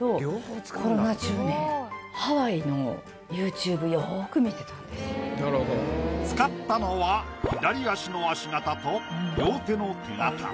コロナ中ね使ったのは左足の足形と両手の手形。